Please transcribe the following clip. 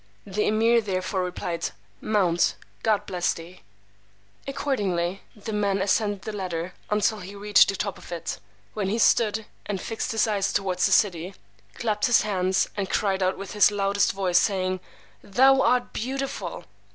The Emeer therefore replied, Mount. God bless thee! Accordingly, the man ascended the ladder until he reached the top of it; when he stood, and fixed his eyes towards the city, clapped his hands, and cried out with his loudest voice, saying, Thou art beautiful!